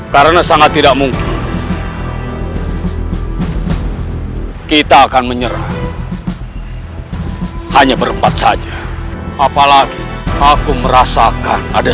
karena sangat tidak mungkin kita akan menyerang hanya berempat saja apalagi aku merasakan ada